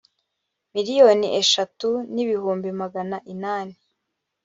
miliyoni eshatu n ibihumbi magana inani